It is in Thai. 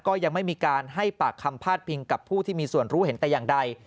ก็ยังไม่มีการให้ปากคำพาดพิงกับผู้ที่มีส่วนรู้เห็นแต่อย่างใด